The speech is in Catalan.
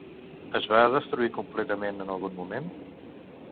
Es va destruir completament en algun moment?